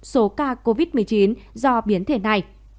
số ca covid một mươi chín do biến thể này